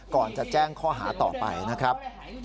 ก่อนจะแจ้งข้อหาต่อไปนะครับ